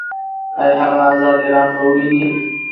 ایا هغه ازاد ایران به وویني؟